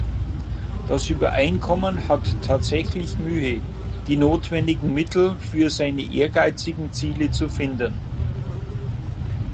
Das Übereinkommen hat tatsächlich Mühe, die notwendigen Mittel für seine ehrgeizigen Ziele zu finden.